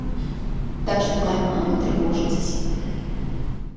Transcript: Так што дарма вы трывожыцеся.